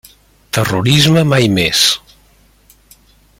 Terrorisme mai més!